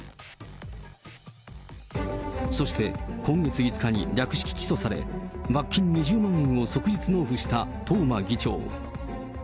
そして今月５日に略式起訴され、罰金２０万円を即日納付した東間議長。